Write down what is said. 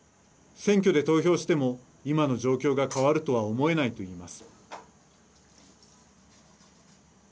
選挙で投票しても今の状況が変わるとは思えないと言います。